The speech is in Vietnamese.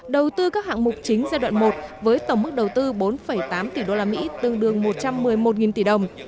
đầu tư các hạng mục chính giai đoạn một với tổng mức đầu tư bốn tám tỷ usd tương đương một trăm một mươi một tỷ đồng